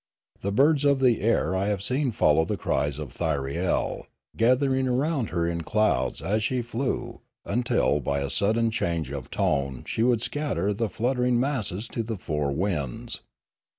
The birds of the air I have seen follow the cries of Thyriel, gathering around her in clouds, as she flew, until by a sudden change of tone she would scatter the flutter ing masses to the four winds.